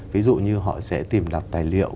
ví dụ như họ sẽ tìm đọc tài liệu